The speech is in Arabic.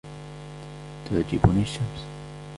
تعجبني الشمس